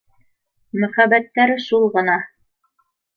Мөхәббәттәре шул ғына